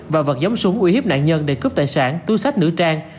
và vật giống súng ủy hiếp nạn nhân để cướp tài sản tu sách nữ trang